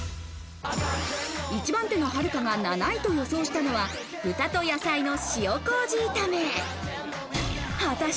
一番手のはるかが７位と予想したのは豚と野菜の塩麹炒め。